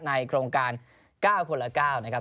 โครงการ๙คนละ๙นะครับ